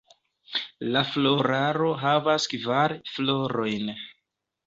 La floraro havas kvar florojn.